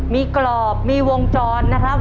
มีกรอบมีวงจรนะครับ